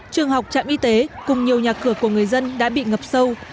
trường học trạm y tế cùng nhiều nhà cửa của người dân đã bị ngập sâu